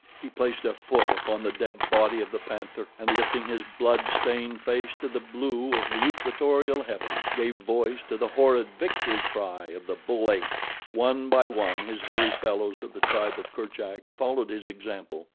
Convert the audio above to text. He placed a foot upon the dead body of the panther, and lifting his blood stained face to the blue of the equatorial heavens, gave voice to the horrid victory cry of the bull ape. One by one his hairy fellows of the tribe of Kerchak followed his example.